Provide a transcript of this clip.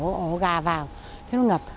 các cái hổ gà vào thế nó ngập